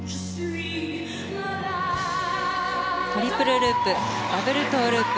トリプルループダブルトウループ。